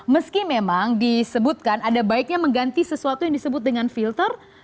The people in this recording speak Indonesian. meski memang disebutkan ada baiknya mengganti sesuatu yang disebut dengan filter